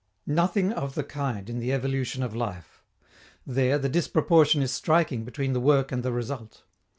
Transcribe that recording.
Nothing of the kind in the evolution of life. There, the disproportion is striking between the work and the result.